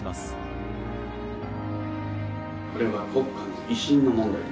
これは国家の威信の問題でもある。